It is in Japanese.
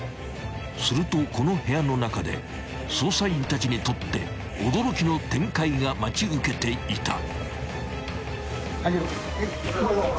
［するとこの部屋の中で捜査員たちにとって驚きの展開が待ち受けていた］